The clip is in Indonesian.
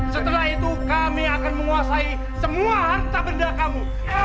setelah itu kami akan menguasai semua harta benda kamu